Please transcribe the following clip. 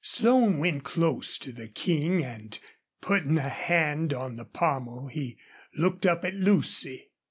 Slone went close to the King and, putting a hand on the pommel, he looked up at Lucy.